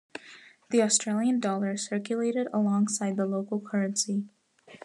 The Australian dollar circulated alongside the local currency.